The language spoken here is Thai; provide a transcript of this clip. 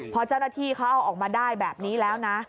พอเจ้าหน้าที่เขาเอาออกมาได้แบบนี้แล้วนะ